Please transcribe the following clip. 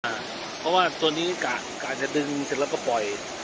เพราะว่าตัวนี้กะจะดึงเสร็จแล้วก็ปล่อย